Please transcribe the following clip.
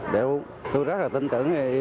để tôi rất là tin tưởng